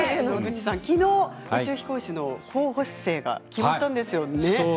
昨日、宇宙飛行士の候補者生が決まったんですよね。